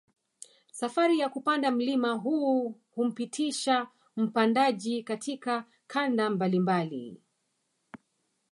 Safari ya kupanda mlima huu humpitisha mpandaji katika kanda mbalimbali